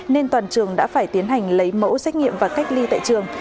nên toàn trường đã phải tiến hành lấy mẫu xét nghiệm và cách ly tại trường